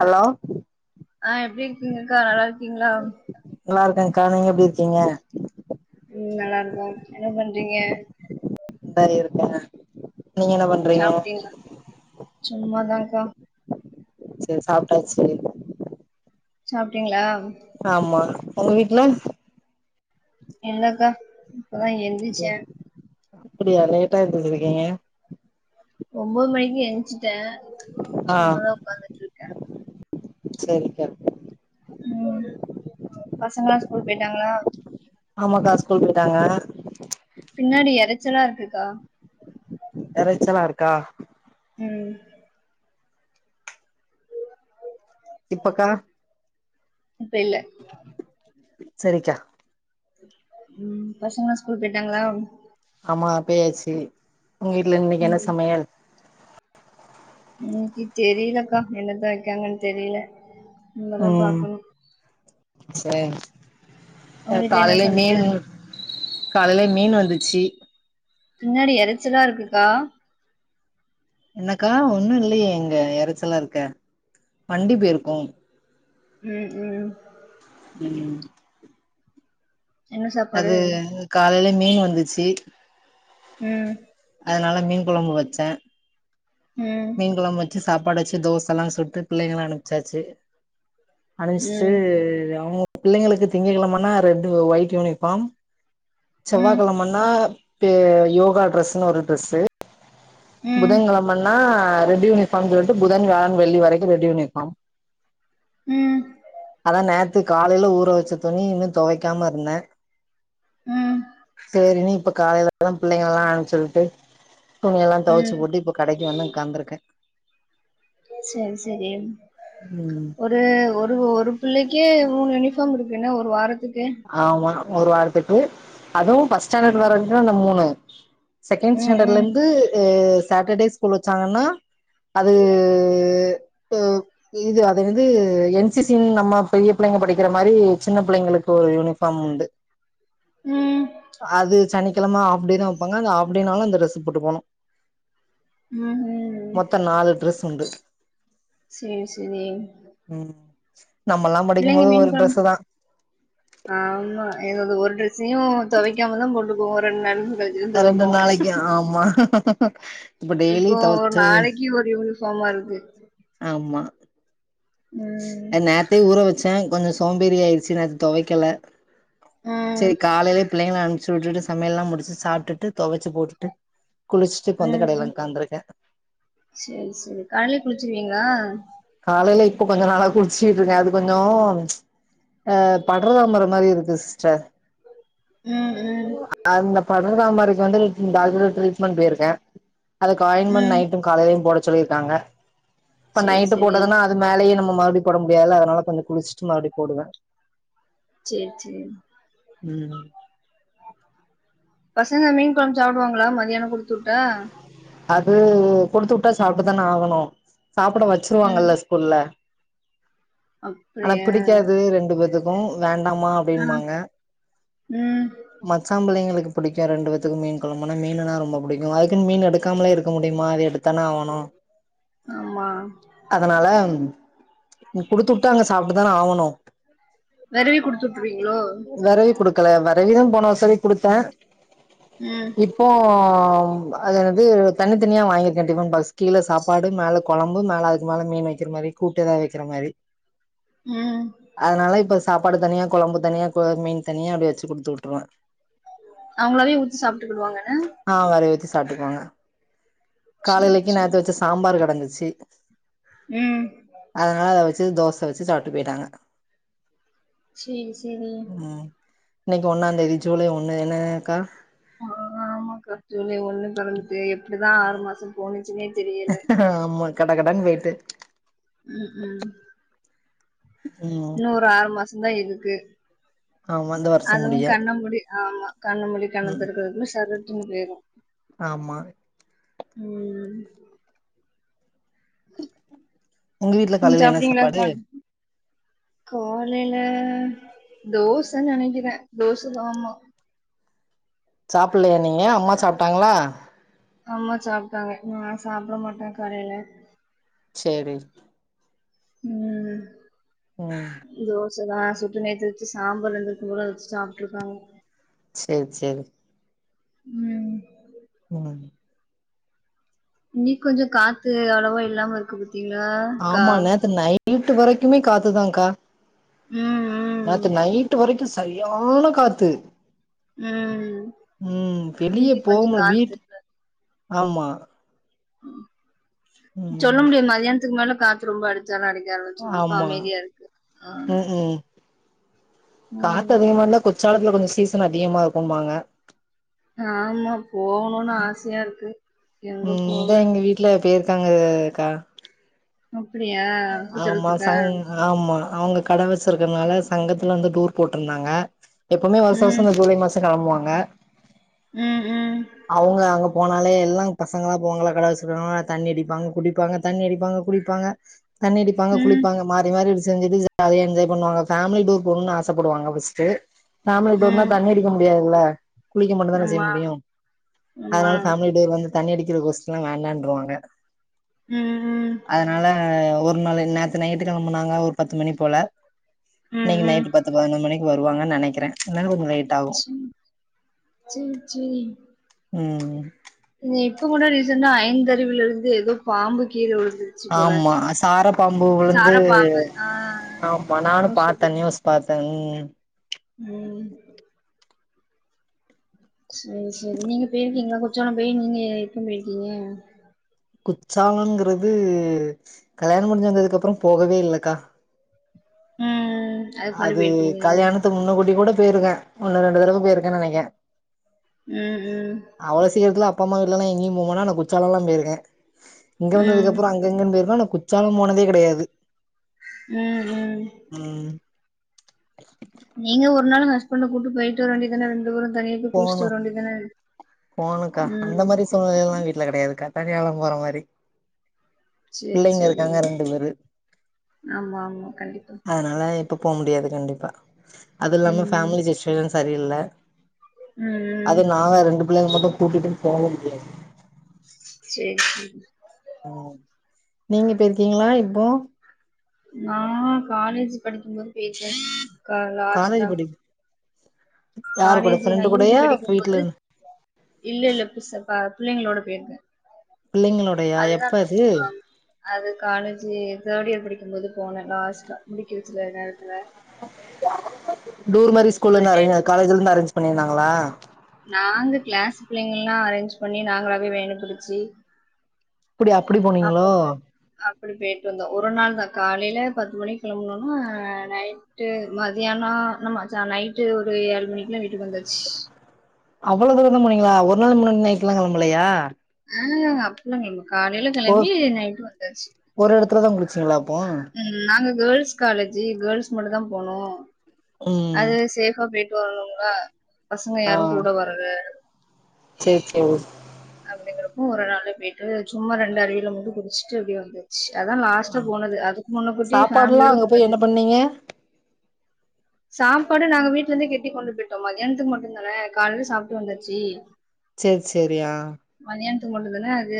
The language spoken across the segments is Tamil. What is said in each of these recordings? ஹலோ ஆ எப்டி இருக்கீங்கக்கா நல்லா இருக்கீங்ளா நல்லா இருக்கேக்கா நீங்க எப்டி இருக்கீங்க ம் நல்லா இருக்கோம் என்ன பண்றீங்க பாரி இருக்கே நீங்க என்ன பண்றீங்க சாப்டீங்ளா சும்மாதா கா சே சாப்டாச்சு சாப்டீங்ளா ஆமா உங்க வீட்ல என்னக்கா இப்ப தா எந்திச்சே அப்டியா லேட்டா எந்துச்சிருக்கீங்க ஒம்போது மணிக்கி எஞ்சுட்டே சும்மாதா உக்காந்துட்ருக்கே சேரி கா ம் பசங்கலா ஸ்கூல்க்கு போயிட்டாங்ளா ஆமாக்கா ஸ்கூல் போயிட்டாங்க பின்னாடி இறச்சலா இருக்குக்கா இறைச்சலா இருக்கா ம் இப்பக்கா இப்ப இல்ல சேரிக்கா ம் பசங்கலா ஸ்கூல்க்கு போயிட்டாங்ளா ஆமா பேயாச்சு உங்க வீட்ல இன்னைக்கு என்ன ம் சமையல் இன்னைக்கு தெரிலக்கா என்னத்த வக்காங்கன் தெரில இன்மதா பாக்கணு சே நா உங்க வீட்ல என்ன காலைல சமையல் மீனு காலைல மீன் வந்துச்சு பின்னாடி இறைச்சலா இருக்குக்கா என்னக்கா ஒன்னு இல்லையே எங்க இறைச்சலா இருக்க வண்டி பேயிருக்கு ம் ஹும் ம் என்ன சாப்பாடு அது இ காலைல மீன் வந்துச்சு ம் அதனால மீன் கொழம்பு வச்சே ம் மீன் கொழம்பு வச்சு சாப்பாடு வச்சு தோச லா சுட்டு பிள்ளைங்களா அனுப்சாச்சு அனுப்ச்சிட்டு ம் அவங்க பிள்ளைங்களுக் திங்க கிழமன்னா ரெட்டு ஒயிட் யூனிஃபார்ம் ம் செவ்வாகிழமன்னா யோகா ட்ரெஸ்ன்னு ஒரு ட்ரெஸ்ஸு ம் புதங்கழம்மண்ணா ரெட் யூனிஃபார்ம் சொல்லிட்டு புதன் வியாழன் வெள்ளி வரைக் ரெட் யூனிஃபார்ம் ம் அதா நேத்து காலையில ஊற வச்ச துணி இன்னு துவைக்காம இருந்த ம் செரி நீ இப்ப காலையில தா பிள்ளைங்கலா அனுப்புச்சுவிட்டு துணி எல்லா ம் துவைச்சு போட்டு இப்ப கடைக்கு வந்து உ்க்காந்துருக்கே சரி சரி ம் ஒரு ஒரு பிள்ளைக்கே மூணு யூனிஃபார்ம் இருக்குன்ன ஒரு வாரத்துக் ஆமா ஒரு வாரத்துக்கு அதுவு ஃபர்ஸ்ட் ஸ்டாண்டர்ட் வரக்குதா இந்த மூணு செகண்ட் ம் ஸ்டாண்டர்ட்ல ம் இருந்து சாட்டர்டே ஸ்கூல் வச்சாங்கன்னா அது இது அது என்னது என் சி சி னு நம்ம பெரிய பிள்ளை படிக்கிற மாரி சின்ன பிள்ளைங்களுக் ஒரு யூனிஃபார்ம் உண்டு ம் அது சனி கிழம ஆப்டே தா வைப்பாங்க அந்த ஆப்டேனாலு அந்த டிரஸ் போட்டு போனு ம் ம் மொத்த நாலு டிரெஸ் உண்டு சரி சரி நம்ம எல்லா படிக்கு பிள்ளைங்க போது மீன் ஒரு கொழம்பு ட்ரெஸ்சு தா ஆமா என்னோட ஒரு ட்ரெஸ்ஸையு துவைக்காமதா போட்டுபோவோ ஒரு ரெண்டு நா ரெண்டு நாளைக்கு ஆமா இப்ப டெய்லி இப்போ ஒரு தொவச்சு நாளைக்கு ஒரு யூனிஃபார்மா இருக்கு ஆமா ம் நேத்தே ஊற வ ச கொஞ்ச சோம்பேறி ஆயிடுச்சு நேத்து துவைக்கல ம் சரி காலையிலயே பிள்ளைகள அனு ச்சு சுட்டுட்டு சமையல்லா முடிச்சு சாப்ட்டுட்டு துவச்சு போட்டுட்டு குளிச்சுட்டு இப்ப வந்து உம் கடையில ம் உக்காந்துருக்கே சரி சரி காலைல குளிச்சிருவீங்களா காலையில இப்ப கொஞ்ச நாளா குளிச்சிட்டு இருக்கே அது கொஞ்ச அ படர்தாமர மாரி இருக்கு சிஸ்டர் ம் ம் அந்த படர்தாமரிக்கு வந்து டாக்டர் ட்ரீட்மெண்ட் போயிருக்க அதுக்கு ஆயின்மண்ட் ம் நைட்டு காலையிலயு போட சொல்லியிருக்காங்க செரி ட்டு போட்டதுன்னா அது மேலேயே நம்ம மறுபடி போட முடியாது அதனால கொஞ்ச குளிச்சுட்டு மறுபடி போடுவே செரி செரி உம் பசங்க மீன் குழம்பு சாப்பிடுவாங்களா மதியான கொடுத்து விட்ட அது கொடுத்து விட்டா சாப்பிட்டுதான ஆகணு சாப்பிட ம் வச்சிருவாங்கல்ல ஸ்கூல்ல ஆனா அப்டியா பிடிக்காது ரெண்டு பேத்துக்கு வேண் டமா ஆ அப்டினுபாங்க ம் மச்சாம் பிள்ளைங்களுக் பிடிக்கு ரெண்டு பேத்துக்கு மீன் குழம்புனா மீனுனா ரொம்ப பிடிக்கு அதுக்கு மீன் எடு எடுக்காமலே இருக்க முடியுமா அது எடுத்தான ஆகணு ஆமா அதனால கொடுத்து விட்டா அங்க சாப்ட்டுதான ஆவணு வெரவி குடுத்து வுட்ருவீங்களோ விரவி கொடுக்கல வற விரவி தா போன வருஷவரை கொடுத்த ம் இப்போ அது இது தனித்தனியா வாங்கிருக்கே டிபன் பாக்ஸ் கீழ சாப்பாடு மேல குழம்பு மேல அதுக்கு மேல மீன் வைக்கிற மாரி கூட்டு எதா வைக்கிற மாரி ம் அதனால இப்ப சாப் பாடு தனியா குழம்பு தனியா மீன் தனியா அப்படி வச்சு கொடுத்து விட்டுருவ அவங்களாவே ஊத்தி சாப்ட்டுகிடுவாங்கன சாப்ட்டுக்குவாங்க சேரி காலையிலைக் சேரி நேத்த வச்ச சாம்பார் கிடந்துச்சு ம் அதனால அத வச் சு தோச வச்சு சாப்ட்டு போயிட்டாங்க சேரி சேரி ம் இன்னைக்கு ஒன்னாந் தேதி ஜூலை ஒன்னு என்னங்கக்கா ஆ ஆமாக்கா ஜூலை ஒண்ணு பெறந்து எப்டிதா ஆறு மாசோ போனுச்சுன்னே தெரியல கடகடனு போய்ட்டு ம் ம் உம் ந்தா இதுக்கு ஆமா இந்த வருஷம் அதுவு முடிய கண்ணமூடி ஆமா கண்ணமூடி ம் கண்ணதெறக்கறதுக்குல்ல சரட்டுன்னு போயிரு ஆமா உம் உங்க வீட்ல [inaudible] காலையில என்ன சாப்பாடு சாப்டிங்களாகா காலேல தோசனு நெனைக்கிற தோச ஆமா சாப்பல்லையா நீங்க அம்மா சாப்ட்டாங்களா அம்மா சாப்ட்டாங்க நா சாப்ட மாட்ட கடைல சேரி உம் உம் சூடா சுட்டு நேத்து வச்ச சாம்பார் இருந்தது கூட அத வச்சு சாப்ட்டு இருக்காங்க சேரி சேரி உம் உம் இன்னிக்கி கொஞ்சோ காத்து அவ்வளவா இல்லாம இருக்கு பாத்தீங்களா அக்கா ஆமா நேத்து நை வரைக்குமே காத்துதாகா ம் ம் ராத்திரி நைட்டு வரைக்கு சரியான காத்து ம் உம் வெளிய இன்னிக்கு போ கொஞ்சோ காத்து வீட்டு இல்ல ஆமா ம் சொல்ல முடியாது மதியானத்துக்கு மேல காத்து ரொம்ப அ அடிச்சாலு அடிக்க ஆரம்பிச்சு இப்ப ஆமா அமைதியா இருக்கு ஆமா ம் ம் காத்து ம் அதிகமா இருந்தா கொச்சாலத்துல கொஞ்சோ சீசன் அதிகமா இருக்கும்பாங்க ஆமா போவணும்னு ஆசயா இருக்கு எங்க போவ இருக்காங்கக்கா அப்டியா ஆமா குற்றாலத்துக்கா சங் ஆமா அவுங்க கட வச்சிருக்கறதுனால சங்கத்துலந்து டோர் போட்ருந்தாங்க எப்பமே வருஷ வருஷோ இந்த ஜூலை மா கெளம்புவாங்க உம் உம் அவங்க அங்க போனாலே எல்லா பசங்களா போவாங்களா கடவெச்சுறவங்க தண்ணி அடிப்பாங்க குடிப்பாங்க தண்ணி அடிப்பாங்க குடிப்பாங்க தண்ணி அடிப்பாங்க ம் குளிப்பாங்க மாறி மாறி செஞ்சுட்டு ஜாலியா என்ஜாய் பண்ணுவாங்க ஃபேமிலி டூர் போணுனு ஆசப்படுவாங்க ஃபர்ஸ்ட்டு ஃபேமிலி டூர்ன்னா ம் தண்ணி அடிக்க முடியாதுல்ல குளிக்க மட்டு தான செய்ய ஆமா முடியு ஆமா அதனால ஃபேமிலிய டூர் வந்து தண்ணி அடிக் கோஷ்டில்லா வேண்டாருவாங்க ம் ம் அதனால ஒரு நாள் நேத்து நைட்டு கெளம்புனாங்க ஒரு பத்து மணி போல ம் இன்னைக்கு ம் நைட்டு பத்து பதினொரு மணிக் வருவாங்கனு நெனக்கிற சேரி சேரி சேரி உம் இப்பகூட ரீசண்டா ஐந்தருவில இருந்து எதோ பாம்பு கீழ விழுந் ஆமா சார பாம்பு சார உழுந்து பாம்பு ஆ ஆமா நானு பாத்த நியூஸ் பாத் தங் உம் சேரி சேரி நீங்க பேயிருக்கீங்களா குற்றாளம் பேயி நீங்க எப்ப பேயிருக்கீங்க குற்றாலங்கிறது கல்யாணம் முடிஞ்சு வந்ததுக்கு அப்றோ போகவே இல்லக்கா ம் அதுக்கு முன்னாடி அது போயிருக்கீங்க கல்யாணத்து முன்ன கூட்டி கூட போயிருக்கேன் ஒன்னு ரெண்டு தடவ போய்ருக்கேனு நெனக்கிற ம் ம் அவ்ளோ சீக்கிரத்தில அப் அப்ப அம்மா வீட்லலாம் எங்கயும் போமாட்டே ஆனா குற்றாலலாம் போய்ருக்கே இங்க ம் வந்ததுக்கப்புறம் அங்கு இங்கு போய்ருக்கே ஆனா குற்றாலம் போனதே கடையாது உம் உம் நீங்க ஒரு நாள் ஹஸ்பண்ட கூட்டு போயிட்டு வர வேண்டியதான ரெண்டு பேரும் தனியா போய் குளிச்சுட்டு போணும் வர வேண்டியதானே போணுக்கா அந்த ம் மாரி சூழ்நிலைல்லா வீட்ல கிடையாதுக்கா தனியா தா போற மாரி சரி பிள்ளைங்க சரி இருக்காங்க ரெண்டு பேரு ஆமா ஆமா கண்டிப்பா அதனால இப் இப்ப போ முடியாது கண்டிப்பா அதுல்லாம ம் ம் ஃபேமிலி சுச்சுவேஷன் சரியில்ல ம் அது நாங்க ரெண்டு பிள்ளைங்க மட்டும் கூட்டிட்டு போக முடியாது சேரி சேரி ம் நீங்க போயிருக்கீங்ளா இப்போ நா காலேஜ் படிக்கும்போது போய்ருக்கேன்க்கா காலேஜ் லாஸ்ட்டா படி யாரு கூட காலேஜி நா ஃப்ரெண்டு யூஜி கூடயா வீட்ல படிக்கும்போது இல்லல்ல புசப் பார் பிள்ளைங்களோட போய்ருக்கே பிள்ளைங்களோடையா எப்ப அது ஆமா அது காலேஜ் தர்ட் இயர் படிக்கும்போது போனே லாஸ்ட்டா முடிக்கிற சில நேரத்தில டூர் மாரி ஸ்கூல்லருந்து பிள்ளைகள் மாரி காலேஜ்லருந்து அரேஞ்ச் பண்ணிருந்தாகங்ளா நாங்க கிளாஸ் பிள்ளைங்க எல்லாம் அரேஞ்ச் பண்ணி நாங்களாவே வேன பிடுச்சு அப்டி அப்டி போனீங்களோ அப்ப போய் அப்டி போயிட்டு வந்தோம் ஒரு நாள் தா காலையில பத்து மணி கிளம்புனோமா நைட்டு மதியானம் ஆமா நைட்டு ஒரு ஒரு ஏழு மணிக்குலாம் வீட்டுக்கு வந்தாச்சு அவ்வளவு தூரம் போனீங்களா ஒரு நாள் முன்னாடி நைட்லாம் களம்பலையா ஆஹ் அப்டில்லா இல்ல காலைல கெளம்பி நைட்டு வந்தாச்சு அப்ரதா குளிச்சிங்களா ம் நாங்க கேர்ள்ஸ் காலேஜி கேர்ள்ஸ் மட்டும் தா போனோம் ம் அது சேஃபா பேயிட்டு வரணும்ல பசங்க ஆ யாரும் கூட வரல சேரி சேரி அப்டிங்கறப்போ ஒரு நாளு போயிட்டு சும்மா ரெண்டு அருவில மட்டு குளிச்சிட்டு அப்டியே வந்தாச்சு அதான் லாஸ்ட்டா போனது அதுக்கு முன்னக்கூட்டி சாப்பாடுலா ஃபேமிலியோட அங்க போய் போனது என்ன பண்ணீங்க சாப்பாடு நாங்க வீட்லருந்தே கட்டி கொண்டு போயிட்டோம் மதியானத்துக்கு மட்டுந் தானே காலையில சாப்ட்டு வந்தாச்சு சேரி சேரி ஆஹ் இது மட்டுந்தான அது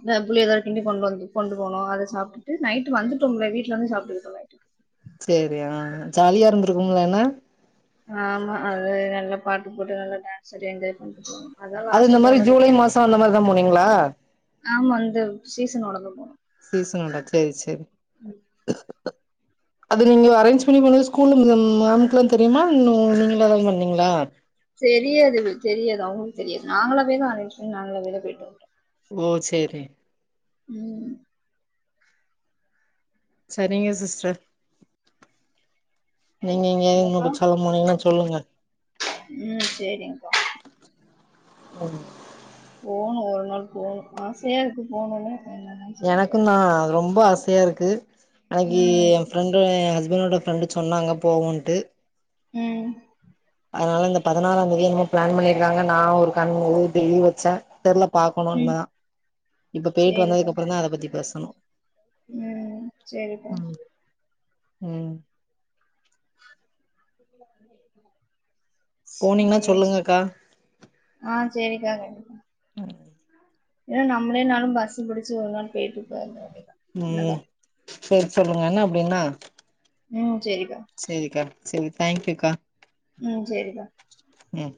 இந்த புளியோதர கிண்டி கொண்டு வந்து கொண்டு போனோ அத சாப்டுட்டு நைட்டு வந்துட்டோம்ல வீட்ல வந்து சாப்ட்டுக்கிட்டோம நைட்டுக்கு சேரி ஆஹ் ஜாலியா இருந்திருக்கும்ல என்ன ஆமா அது நல்லா பாட்டு போட்டு நல்லா டான்ஸ் ஆடி என்ஜாய் பண்ட்டு போனோ அதா அது லாஸ்ட் இந்த மாதிரி போனது ஜூலை மாசம் அந்த மாரிதான் போனீங்களா ஆமா இந்த சீசனோடதான் போனோ சீசனோட சேரி சேரி அது நீங்க அரேஞ்ச் பண்ணி போனது ஸ்கூல்ல இருந்த மேம்க்கலாம் தெரியுமா இல்ல நீங்களாத போனீங்களா தெரியாது தெரியாது அவுங்களுக்கு தெரியாது நாங்களாவேதான் அரேஞ்ச் பண்ணி நாங்களாவேதா போயிட்டு வந்தோ ஓ சேரி உம் சரிங்க சிஸ்டர் நீங்க இங்கேயாது இனிமே உனக்கா குற்றாலோ போனீங்கனா சொல்லுங்க ம் சேரிங்க்கா ஆ போணு ஒரு நாள் போணு ஆசையா இருக்கு போணூனு எனக்கும்தா ரொம்ப ஆசயா இருக்கு அன்னக்கி ஏ ஃப்ரெண்டு ஹஸ் இவனோட ஃப்ரெண்டு சொன்னாங்க போவோன்ட்டு ம் அதனால இந்த பதனாறா தேதி என்னமோ ப்ளான் பண்ணிருக்காங்க நா ஒரு கண் முழு லீவ் வச்சே தெர்ல ம் பாக்கணுனா இப்ப பேய்ட்டு சேரிக்கா வந்ததுக்கப்றோதா அத பத்தி பேசணு ம் செரிப்பா ம் ம் போனீங்கன்னா செர் செ சொல்லுங்கக்கா ஆ செரிக்காக ஏனா நம்ளேனாலு பஸ் புடிச்சு ஒரு நாள் பேய்ட்டுந்தோ ம் செரி சொல்லுங்க என்னா அப்டின்னா ம் செரி செரிக்கா செரி தேங்க்யூக்கா ம் செரிக்கா ம்